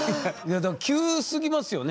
急すぎますよね？